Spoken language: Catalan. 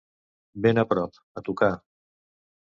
Ben a prop, a tocar.